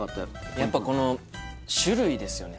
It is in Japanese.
やっぱこの種類ですよね